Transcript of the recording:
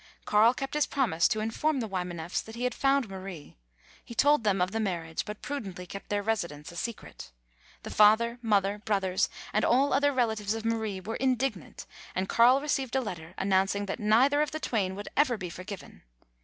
Carl kept his promise to inform the Wymaneflfs that he had found Marie. He told them of the marriage, but prudently kept their residence a secret. The father, mother, brothers, and all other relatives of Marie were indignant, and Carl received a letter, announcing that neither of the twain would ever be forgiven.